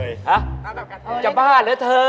ฮะจะบ้าหรือเธอเออ